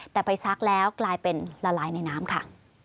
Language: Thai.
แต่ไปซักแล้วกลายเป็นละลายในน้ำค่ะ